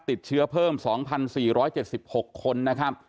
ติดเชื้อเพิ่ม๒๔๗๖คน